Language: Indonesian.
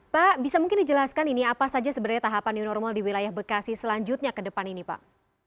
pak bisa mungkin dijelaskan ini apa saja sebenarnya tahapan new normal di wilayah bekasi selanjutnya ke depan ini pak